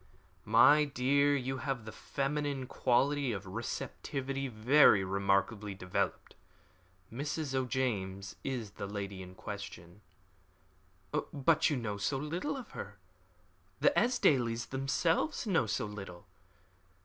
"My dear, you have the feminine quality of receptivity very remarkably developed. Mrs. O'James is the lady in question." "But you know so little of her. The Esdailes themselves know so little.